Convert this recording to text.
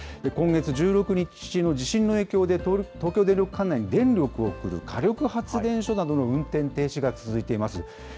今月１６日の地震の影響で、東京電力管内に電力を送る火力発電所などの運転停止が続いています。